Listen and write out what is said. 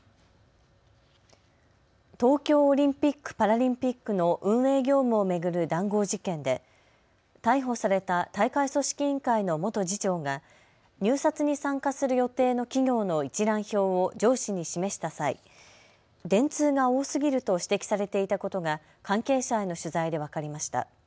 東京オリンピック・パラリンピックの運営業務を巡る談合事件で逮捕された大会組織委員会の元次長が入札に参加する予定の企業の一覧表を上司に示した際、電通が多すぎると指摘されていたことが関係者への取材で分かりました。